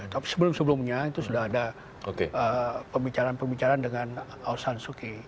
tapi sebelum sebelumnya itu sudah ada pembicaraan pembicaraan dengan ausan suu kyi